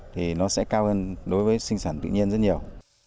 thì nó sẽ cao hơn đối với sinh sản tự nhiên rất nhiều